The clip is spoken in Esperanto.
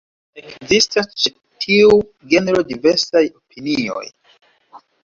Ekzistas ĉe tiu genro diversaj opinioj.